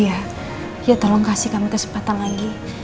iya ya tolong kasih kamu kesempatan lagi